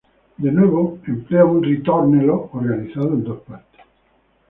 De nuevo emplea un "ritornello" organizado en dos partes.